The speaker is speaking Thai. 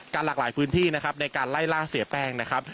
หลากหลายพื้นที่นะครับในการไล่ล่าเสียแป้งนะครับ